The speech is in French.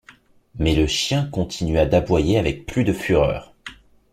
Mais le chien continua d’aboyer avec plus de fureur